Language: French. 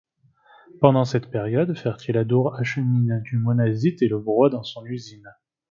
Pendant cette période Fertiladour achemine du monazite et le broie dans son usine.